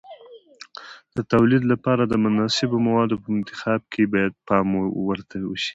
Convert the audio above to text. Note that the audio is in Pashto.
د تولید لپاره د مناسبو موادو په انتخاب کې باید پام ورته وشي.